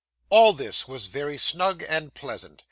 All this was very snug and pleasant.